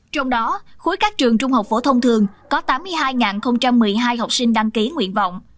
trong đó khối các trường trung học phổ thông thường có tám mươi hai một mươi hai học sinh đăng ký nguyện vọng